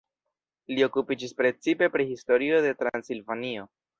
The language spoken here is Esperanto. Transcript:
Li okupiĝis precipe pri historio de Transilvanio.